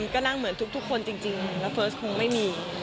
ก็นั่งเหมือนทุกคนจริงแล้วเฟิร์สคงไม่มี